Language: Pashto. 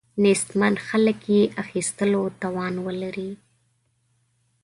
نیستمن خلک یې اخیستلو توان ولري.